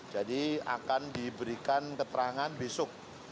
jadi akan diberikan keterangan besok